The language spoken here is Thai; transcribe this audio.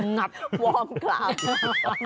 งัดวองกราม